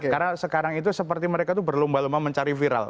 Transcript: karena sekarang itu seperti mereka itu berlumba lumba mencari viral